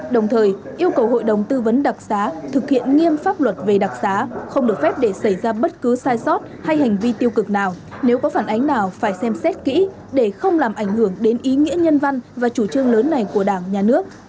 đồng thời yêu cầu hội đồng tư vấn đặc xá thực hiện nghiêm pháp luật về đặc xá không được phép để xảy ra bất cứ sai sót hay hành vi tiêu cực nào nếu có phản ánh nào phải xem xét kỹ để không làm ảnh hưởng đến ý nghĩa nhân văn và chủ trương lớn này của đảng nhà nước